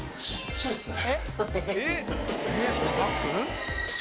そうですね